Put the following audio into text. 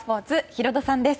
ヒロドさんです。